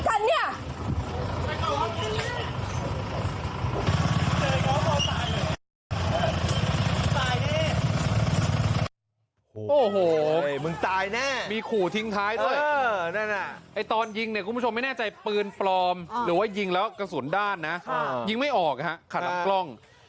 โอ้โหมึงตายแน่มีขู่ทิ้งท้ายด้วยนั่นน่ะไอ้ตอนยิงเนี่ยคุณผู้ชมไม่แน่ใจปืนปลอมหรือว่ายิงแล้วกระสุนด้านนะยิงไม่ออกฮะขาดลำกล้อง